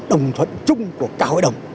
đồng thuận chung của cao hội đồng